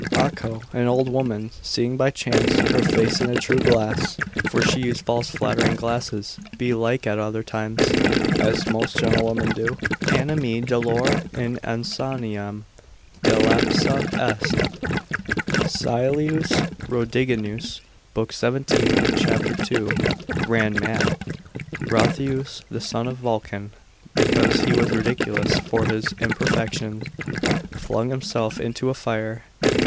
Acco, an old woman, seeing by chance her face in a true glass (for she used false flattering glasses belike at other times, as most gentlewomen do,) animi dolore in insaniam delapsa est, (Caelius Rhodiginus l. 17, c. 2,) ran mad. Brotheus, the son of Vulcan, because he was ridiculous for his imperfections, flung himself into the fire.